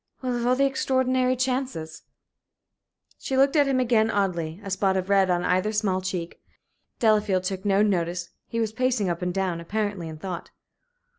Well, of all the extraordinary chances." She looked at him again, oddly, a spot of red on either small cheek. Delafield took no notice. He was pacing up and down, apparently in thought.